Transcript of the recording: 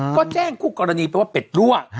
ก็แจ้งคู่กรณีไปว่าเป็ดรั่ว